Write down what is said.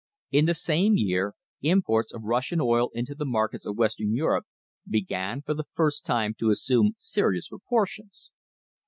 In the same year imports of Russian oil into the markets of West ern Europe began for the first time to assume serious pro portions.